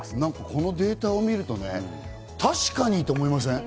このデータを見ると、確かにと思いません？